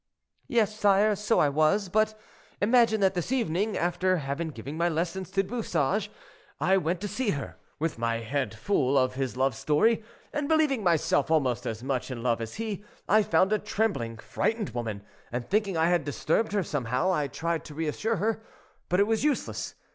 "Yes, sire, so I was; but imagine that this evening, after having given my lesson to Du Bouchage, I went to see her, with my head full of his love story, and, believing myself almost as much in love as he, I found a trembling frightened woman, and thinking I had disturbed her somehow, I tried to reassure her, but it was useless.